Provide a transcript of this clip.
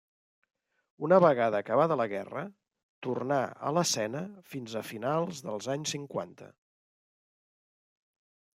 Una vegada acabada la guerra, tornà a l'escena fins a finals dels anys cinquanta.